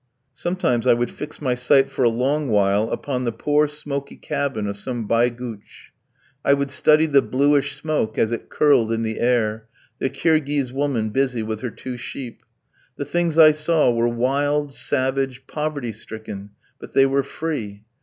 Sometimes I would fix my sight for a long while upon the poor smoky cabin of some baïgouch; I would study the bluish smoke as it curled in the air, the Kirghiz woman busy with her two sheep.... The things I saw were wild, savage, poverty stricken; but they were free.